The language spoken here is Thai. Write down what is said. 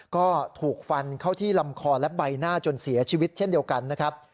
ก็ถูกฟันเข้าที่ลำคอและใบหน้าจนเสียชีวิตเช่นเดียวกันนะครับ